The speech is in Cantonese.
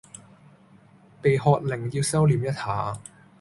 被喝令要收歛一下